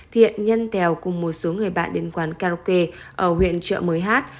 thiện nhân tèo cùng một số người bạn đến quán karaoke ở huyện chợ mới hát